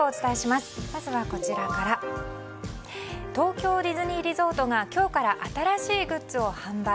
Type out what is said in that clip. まずは東京ディズニーリゾートが今日から新しいグッズを販売。